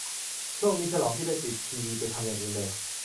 ช่วงนี้ฉลองที่ได้ปิดทีวีไปทำอย่างอื่นเร็ว